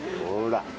ほら。